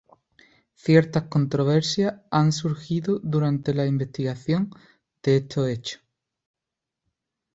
Ciertas controversias han surgido durante la investigación de estos hechos.